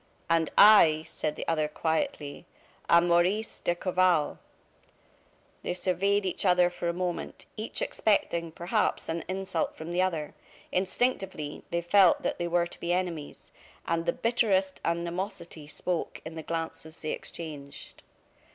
"And I," said the other, quietly, "am Maurice d'Escorval." They surveyed each other for a moment; each expecting, perhaps, an insult from the other. Instinctively, they felt that they were to be enemies; and the bitterest animosity spoke in the glances they exchanged.